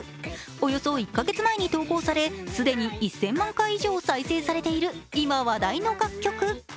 およそ１か月前に投稿され既に１０００万回以上再生されている、今話題の楽曲。